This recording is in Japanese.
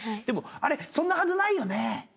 でもあれそんなはずないよね。